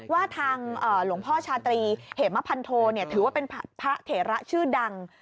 ว่าทางหลวงพ่อชาตรีเหมพันโทถือว่าเป็นพระเถระชื่อดัง